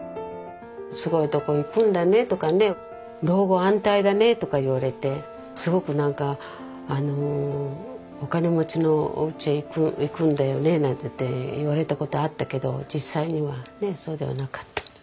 「すごいとこ行くんだね」とかね「老後安泰だね」とか言われてすごくなんか「お金持ちのおうちへ行くんだよね」なんていって言われたことあったけど実際にはねえそうではなかった。